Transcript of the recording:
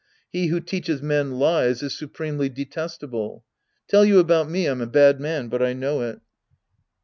He who teaches men lies is supremely detestable. Tell you about me, I'm a bad man, but I know it.